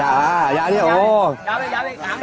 อ่ายาว